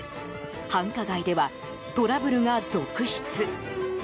繁華街ではトラブルが続出。